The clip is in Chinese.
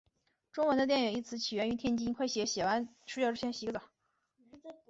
中文的电影一词起源于天津。